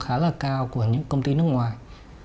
khá là cao của những công ty nước ngoài